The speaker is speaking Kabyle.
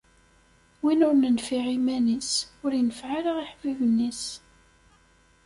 Win ur nenfiε iman-is, ur ineffeε ara iḥbiben-is.